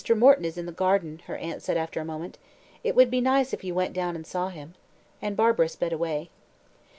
Morton is in the garden," her aunt said after a moment. "It would be nice if you went down and saw him." And Barbara sped away.